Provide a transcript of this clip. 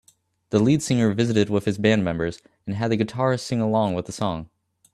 The lead singer visited with his band members and had the guitarist sing along with the song